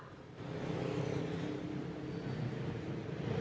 มาดูบรรจากาศมาดูความเคลื่อนไหวที่บริเวณหน้าสูตรการค้า